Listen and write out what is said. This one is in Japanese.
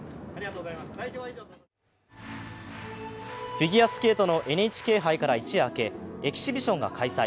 フィギュアスケートのＮＨＫ杯から一夜明け、エキシビションが開催。